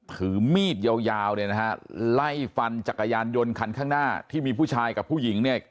ถือมีดยาวยาวเนี่ยนะฮะไล่ฟันจักรยานยนต์คันข้างหน้าที่มีผู้ชายกับผู้หญิงเนี่ย